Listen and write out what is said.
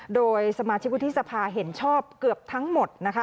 โดยสมาชิกวุฒิสภาเห็นชอบเกือบทั้งหมดนะคะ